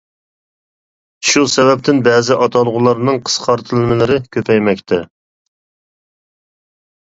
شۇ سەۋەبتىن بەزى ئاتالغۇلارنىڭ قىسقارتىلمىلىرى كۆپەيمەكتە.